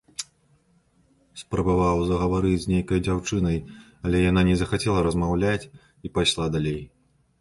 Спрабаваў загаварыць з нейкай дзяўчынай, але яна не захацела размаўляць і пайшла далей.